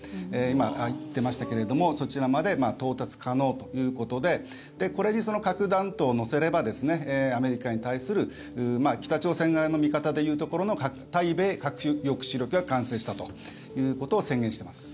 今出ましたけれどもそちらまで到達可能ということでこれに核弾頭を載せればアメリカに対する北朝鮮側の見方でいうところの対米核抑止力が完成したということを宣言しています。